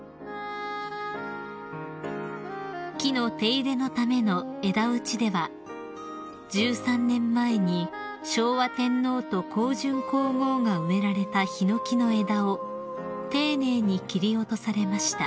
［木の手入れのための枝打ちでは１３年前に昭和天皇と香淳皇后が植えられたヒノキの枝を丁寧に切り落とされました］